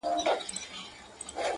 پېغلي څنگه د واده سندري وايي-